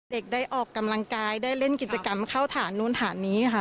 เด็กได้ออกกำลังกายได้เล่นกิจกรรมเข้าฐานนู้นฐานนี้ค่ะ